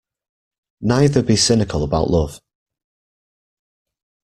Neither be cynical about love